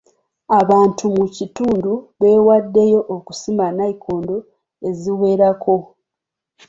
Abantu mu kitundu beewaddeyo okusima nayikondo eziwerako.